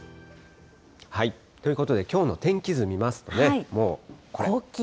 ということで、きょうの天気図、見ますと、もうこれ。